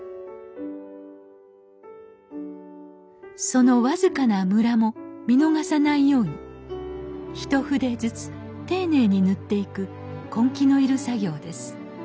その僅かなむらも見逃さないように一筆ずつ丁寧に塗っていく根気の要る作業です